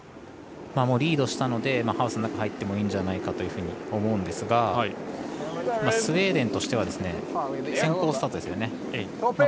リードしたので、ハウスの中に入っていいんじゃないかと思うんですがスウェーデンとしては先攻スタートですよね。